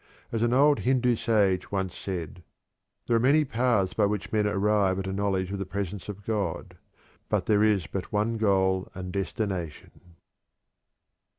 As an old Hindu sage once said: "There are many paths by which men arrive at a knowledge of the presence of God, but there is but one goal and destination."